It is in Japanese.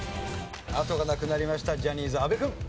あとがなくなりましたジャニーズ阿部君。